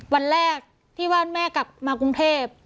วันแรกที่ว่าแม่กลับมากรุงเทพ